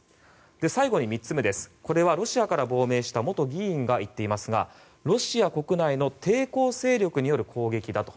最後に３つ目これはロシアから亡命した元議員が言っていますがロシア国内の抵抗勢力による攻撃だと。